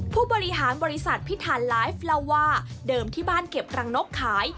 ผู้บริหารบริษัทพิธานไลฟ์เล่าว่าเดิมที่บ้านเก็บรังนกขาย